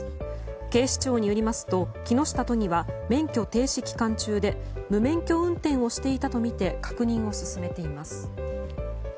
警視庁によりますと木下都議は免許停止期間中で無免許運転をしていたとみて確認を進めています。